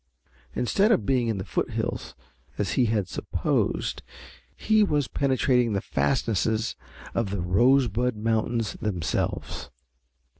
Instead of being in the foothills as he had supposed, he was penetrating the fastnesses of the Rosebud Mountains themselves.